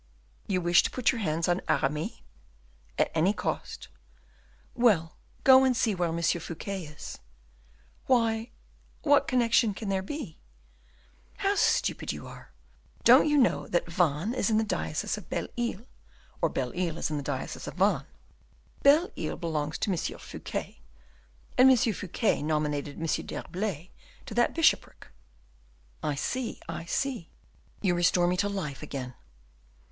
"You wish to put your hands on Aramis?" "At any cost!" "Well, go and see where M. Fouquet is." "Why, what connection can there be " "How stupid you are! Don't you know that Vannes is in the diocese of Belle Isle, or Belle Isle in the diocese of Vannes? Belle Isle belongs to M. Fouquet, and M. Fouquet nominated M. d'Herblay to that bishopric!" "I see, I see; you restore me to life again."